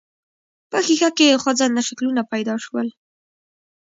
په ښيښه کې خوځنده شکلونه پيدا شول.